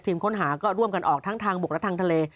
ค้นหาก็ร่วมกันออกทั้งทางบกและทางทะเล